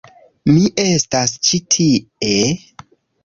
Mi estas ĉi tie